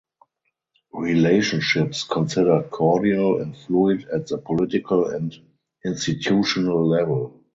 Relationships considered cordial and fluid at the political and institutional level.